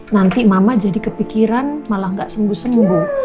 nanti mama jadi kepikiran malah gak sembuh sembuh